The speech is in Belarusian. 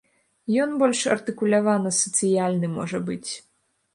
Ён больш артыкулявана сацыяльны, можа быць.